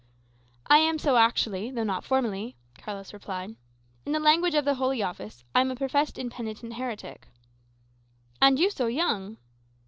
"I am so actually, though not formally," Carlos replied. "In the language of the Holy Office, I am a professed impenitent heretic." "And you so young!"